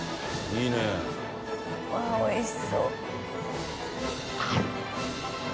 いい茲諭おいしそう。